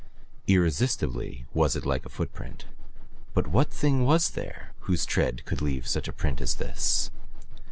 Irresistibly was it like a footprint but what thing was there whose tread could leave such a print as this?